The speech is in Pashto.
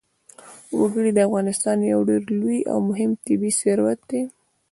وګړي د افغانستان یو ډېر لوی او مهم طبعي ثروت دی.